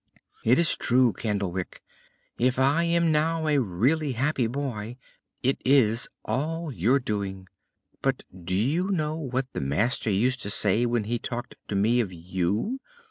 "It is true, Candlewick! If I am now a really happy boy, it is all your doing. But do you know what the master used to say when he talked to me of you?